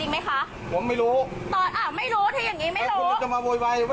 ไม่มีหลักฐานคุณมาโบยว่าผมว่า